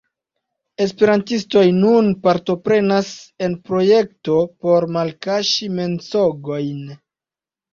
Esperantistoj nun partoprenas en projekto por malkaŝi mensogojn.